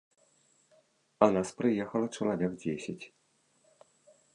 А нас прыехала чалавек дзесяць.